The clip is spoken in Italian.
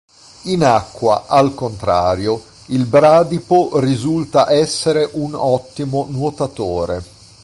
In acqua, al contrario, il bradipo risulta essere un ottimo nuotatore.